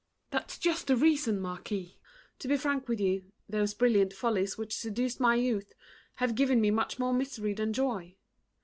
That's just The reason, Marquis; to be frank with you, Those brilliant follies which seduced my youth Have given me much more misery than joy.